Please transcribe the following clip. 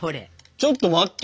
ちょっと待って。